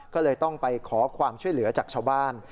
ก็เลยต้องไปขอความช่วยเหลือจากชาวบ้าน